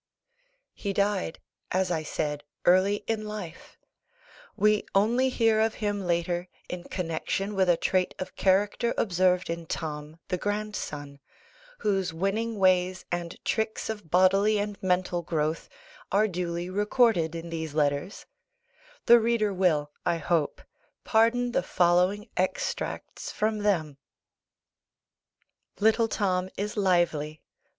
He died, as I said, early in life. We only hear of him later in connexion with a trait of character observed in Tom the grandson, whose winning ways, and tricks of bodily and mental growth, are duly recorded in these letters: the reader will, I hope, pardon the following extracts from them: Little Tom is lively....